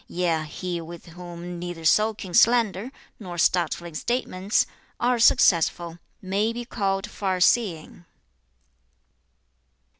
Yea, he with whom neither soaking slander, nor startling statements, are successful, may be called farseeing.'